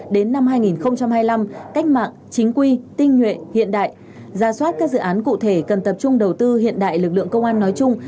đến năm hai nghìn hai mươi năm cách mạng chính quy tinh nhuệ hiện đại gia soát các dự án cụ thể cần tập trung đầu tư hiện đại lực lượng công an nói chung